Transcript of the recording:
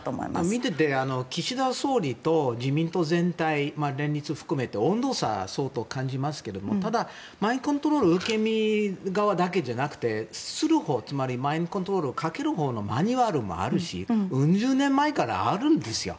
見ていて、岸田総理と自民党全体連立含めて温度差を相当感じますけどただ、マインドコントロールの受け身側だけじゃなくてするほう、つまりマインドコントロールをかけるほうのマニュアルもうん十年前からあるんですよ。